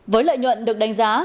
với lợi nhuận được đánh giá